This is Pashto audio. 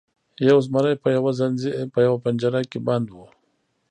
یو زمری په یوه پنجره کې بند و.